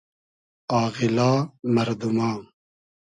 آغیلا مئردوما